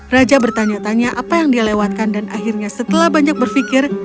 raja bertanya tanya apa yang dia lewatkan dan akhirnya setelah banyak berpikir